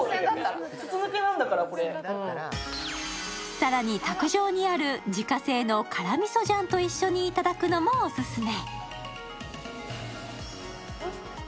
更に、卓上にある自家製の辛みそジャンと一緒にいただくのもオススメ。